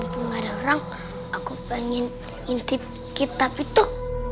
mumpung ada orang aku ingin ngintip kitab itu